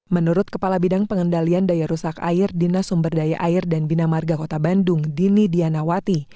menurut kepala bidang pengendalian daya rusak air dinas sumber daya air dan bina marga kota bandung dini dianawati